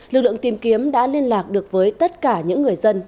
lực lượng tìm kiếm đã liên lạc được với tất cả những người dân